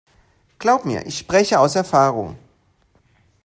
Glaub mir, ich spreche aus Erfahrung.